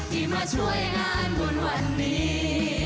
ที่มาช่วยงานบุญวันนี้